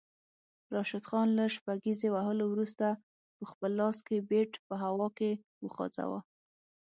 راشد خان له شپږیزې وهلو وروسته پخپل لاس کې بیټ په هوا کې وخوځاوه